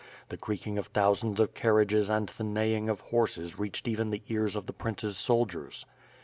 The creaking of thou sands of carriages and the neighing of horses reached even the ears of the princess soldiers.